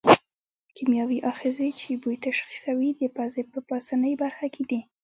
کیمیاوي آخذې چې بوی تشخیصوي د پزې په پاسنۍ برخه کې دي.